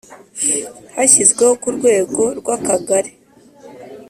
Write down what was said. Hashyizweho ku rwego rw akagari